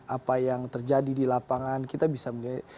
apa yang terjadi di lapangan kita bisa menilai